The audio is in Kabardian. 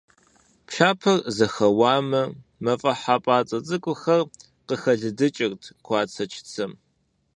Пшапэр зэхэуамэ, мафӀэхь хьэпӀацӀэ цӀыкӀухэр къыхэлыдыкӀырт къуацэ-чыцэм.